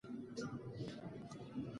موږ باید د یو بل سره مرسته وکړو.